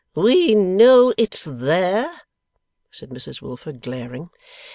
'We know it's there!' said Mrs Wilfer, glaring.